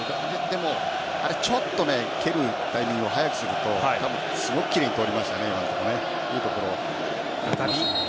でも、あれはちょっと蹴るタイミングを早くするとすごくきれいに通りましたよね。